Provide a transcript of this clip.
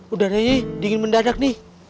udara nya dingin mendadak nih